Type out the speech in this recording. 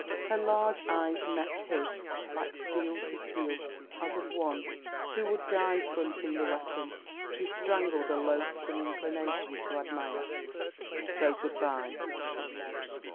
Her large eyes met his like steel to steel, as of one who would die fronting the weapon. He strangled a loathsome inclination to admire. 'So good bye,' he said.